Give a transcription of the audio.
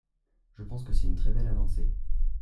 Je pense que c’est une très belle avancée.